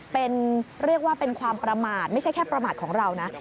เป็นเรียกว่าเป็นความประมาทไม่ใช่แค่ประมาทของเรานะ